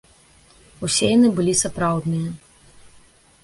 Усе яны былі сапраўдныя.